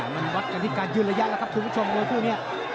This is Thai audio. มันวัดกันที่การยืนระยะครับคุณผู้ชม